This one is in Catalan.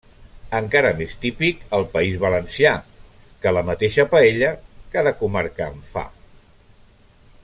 Encara més típic al País Valencià que la mateixa paella, cada comarca en fa.